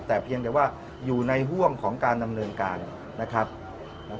แต่เพียงแต่ว่าอยู่ในห่วงของการดำเนินการนะครับ